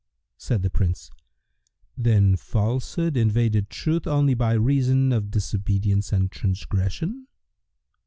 Said the Prince, "Then Falsehood invaded Truth only by reason of disobedience and transgression?"